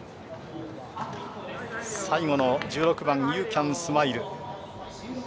最後の１６番ユーキャンスマイル。